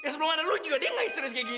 sebelum ada lo juga dia gak histeris kayak gini